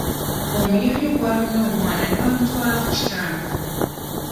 Omuyaayu gwalumye omwana ne bamutwala ku kitanda.